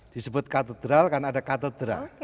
disebut katedral karena ada katedra